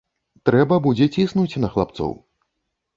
Трэба будзе ціснуць на хлапцоў.